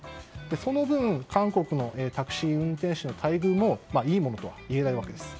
その分韓国のタクシー運転手の待遇もいいものとはいえないわけです。